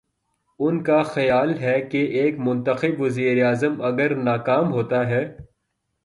ان کا خیال ہے کہ ایک منتخب وزیراعظم اگر ناکام ہو تا ہے۔